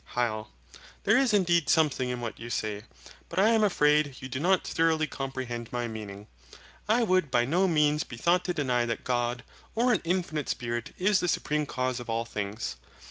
HYL. There is indeed something in what you say. But I am afraid you do not thoroughly comprehend my meaning. I would by no means be thought to deny that God, or an infinite Spirit, is the Supreme Cause of all things.